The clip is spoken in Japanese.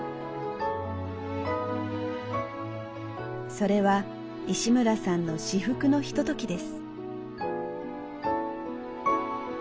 それは石村さんの至福のひとときです。